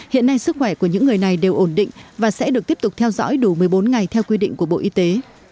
hiện nay sức khỏe của những người này đều ổn định và sẽ được tiếp tục theo dõi đủ một mươi bốn ngày theo quy định của bộ y tế